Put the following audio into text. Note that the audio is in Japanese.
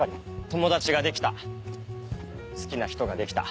友達ができた好きな人ができた。